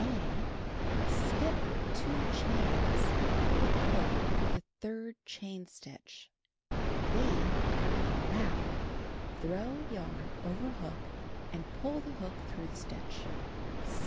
(a) Skip 2 chains, and put the hook through the third chain stitch. (6) Wrap (throw yarn over hook) and pull the hook through the stitch.